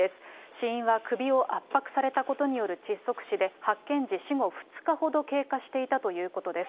死因は首を圧迫されたことによる窒息死で、発見時、死後２日ほど経過していたということです。